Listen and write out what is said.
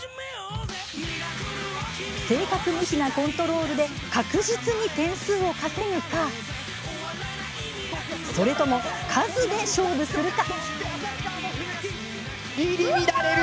正確無比なコントロールで確実に点数を稼ぐかそれとも、数で勝負するか。